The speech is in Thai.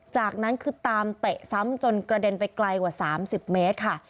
จากนั้นคือตามเตะซ้ำจนกระเด็นไปไกลกว่า๓๐เมตรค่ะ